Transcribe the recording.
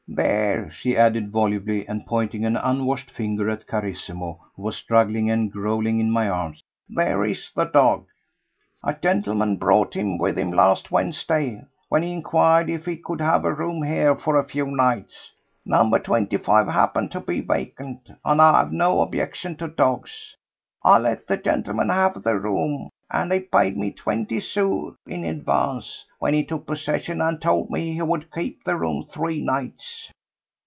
There," she added volubly, and pointing an unwashed finger at Carissimo who was struggling and growling in my arms, "there is the dog. A gentleman brought him with him last Wednesday, when he inquired if he could have a room here for a few nights. Number twenty five happened to be vacant, and I have no objection to dogs. I let the gentleman have the room, and he paid me twenty sous in advance when he took possession and told me he would keep the room three nights."